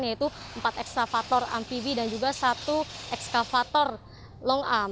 yaitu empat eksavator ampivi dan juga satu eksavator long arm